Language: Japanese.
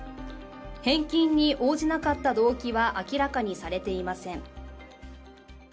返金に応じなかった動機は明らかにされていません。